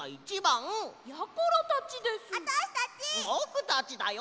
ぼくたちだよ！